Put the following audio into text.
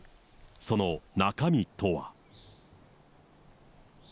その中身とは。